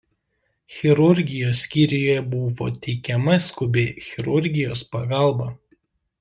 Chirurgijos skyriuje buvo teikiama skubi chirurgijos pagalba.